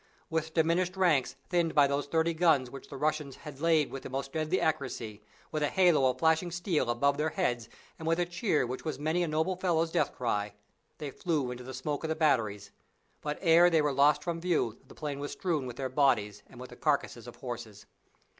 With diminished ranks thinned by those thirty guns which the Russians had laid with the most deadly accuracy, with a halo of flashing steel above their heads, and with a cheer which was many a noble fellow's death cry, they flew into the smoke of the batteries, but ere they were lost from view the plain was strewn with their bodies and with the carcasses of horses.